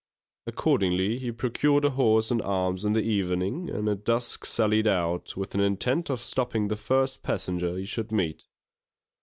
Accordingly he procured a horse and arms in the evening and at dusk sallied out, with an intent of stopping the first passenger he should meet.